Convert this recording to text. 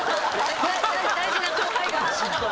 大事な後輩が。